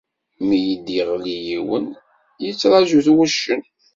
Mi d-yeɣli yiwen, yettṛaǧu-t wuccen